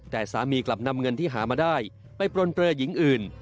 แต่สามีกลับนำเงินที่หามาได้ไปปลนเปลือหญิงอื่น